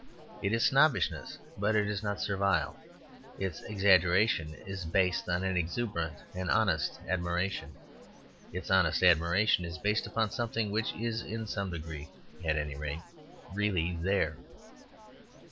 It is snobbish, but it is not servile. Its exaggeration is based on an exuberant and honest admiration; its honest admiration is based upon something which is in some degree, at any rate, really there.